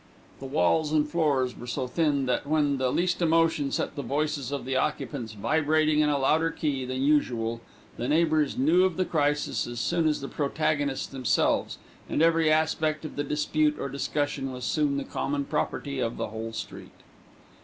The walls and floors were so thin that, when the least emotion set the voices of the occupants vibrating in a louder key than usual, the neighbours knew of the crisis as soon as the protagonists themselves, and every aspect of the dispute or discussion was soon the common property of the whole street.